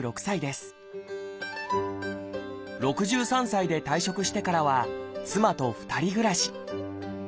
６３歳で退職してからは妻と２人暮らし。